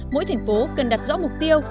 mỗi thành phố cần đặt rõ mục tiêu